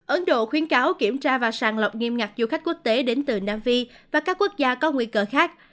ấn độ khuyến cáo kiểm tra và sàng lọc nghiêm ngặt du khách quốc tế đến từ nam phi và các quốc gia có nguy cơ khác